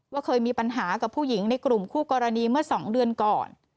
เคยมีปัญหากับผู้หญิงในกลุ่มคู่กรณีเมื่อ๒เดือนก่อน